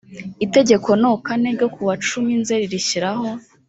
itegeko no kane ryo ku wacumi nzeri rishyiraho